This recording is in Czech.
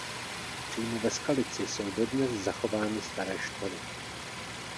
Přímo ve Skalici jsou dodnes zachovány staré štoly.